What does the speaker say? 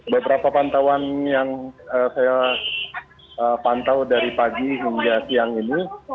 beberapa pantauan yang saya pantau dari pagi hingga siang ini